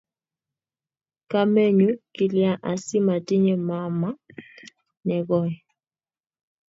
Kamenyu, kilya asimatinye mamaa nekoi?